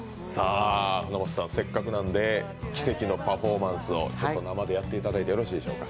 せっかくなんで奇跡のパフォーマンスを生でやっていただいてよろしいでしょうか。